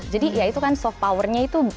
jadi ya itu kan soft powernya itu